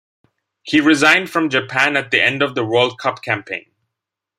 He resigned from Japan at the end of the World Cup campaign.